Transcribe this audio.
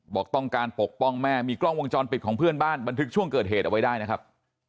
บอกต้องการปกป้องแม่มีกล้องวงจรปิดของเพื่อนบ้านบันทึกช่วงเกิดเหตุเอาไว้ได้นะครับ